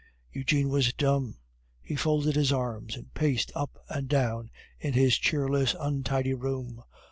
Eugene was dumb. He folded his arms and paced up and down in his cheerless, untidy room.